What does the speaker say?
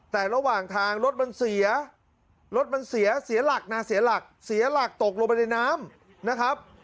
แต่ระหว่างทางรถมันเสียรถมันเสียเสียหลักนะเสียหลักเสียหลักตกลงไปในน้ำนะครับ